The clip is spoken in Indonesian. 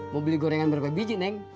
mau beli gorengan berupa biji neng